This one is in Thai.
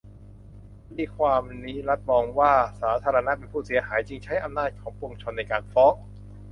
คดีความนี้รัฐมองว่าสาธารณะเป็นผู้เสียหาย จึงใช้อำนาจของปวงชนในการฟ้อง